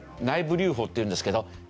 内部留保っていうんですけど。